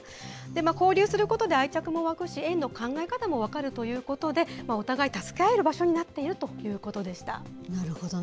交流することで愛着も湧くし、園の考え方も分かるということで、お互い助け合える場所になっていなるほどね。